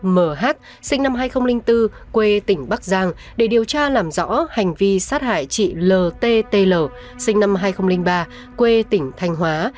mh sinh năm hai nghìn bốn quê tỉnh bắc giang để điều tra làm rõ hành vi sát hại chị ltl sinh năm hai nghìn ba quê tỉnh thanh hóa